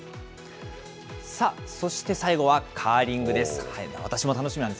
さあ、そして最後はカーリングです。